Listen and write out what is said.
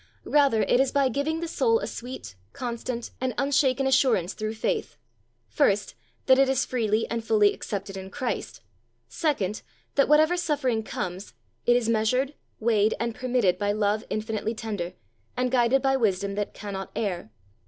Rather it is by giving the soul a sweet, constant, and unshaken assurance through faith: First, that it is freely and fully accepted in Christ. Second, that whatever suffering comes, it is measured, weighed, and permitted by love infinitely tender, and guided by wisdom that cannot err.